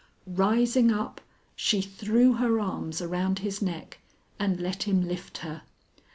Rising up, she threw her arms around his neck and let him lift her.